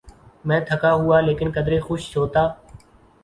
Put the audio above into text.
میں تھکا ہوا لیکن قدرے خوش ہوتا۔